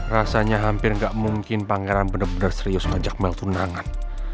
rasanya hampir gak mungkin pangeran bener bener serius ngajak mel tunangan